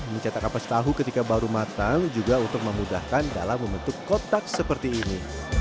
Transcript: mencetak kapas tahu ketika baru matang juga untuk memudahkan dalam membentuk kotak seperti ini